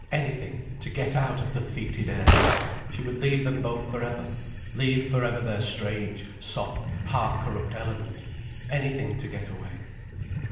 Anything, to get out of the foetid air. She would leave them both for ever, leave for ever their strange, soft, half corrupt element. Anything to get away.